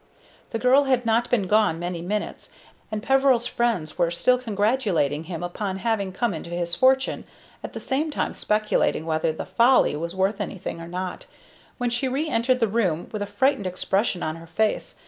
The girl had not been gone many minutes, and Peveril's friends were still congratulating him upon having come into his fortune, at the same time speculating whether the "Folly" was worth anything or not, when she re entered the room with a frightened expression on her face.